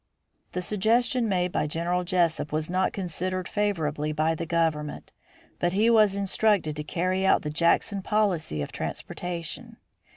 The suggestion made by General Jesup was not considered favorably by the government, but he was instructed to carry out the Jackson policy of transportation.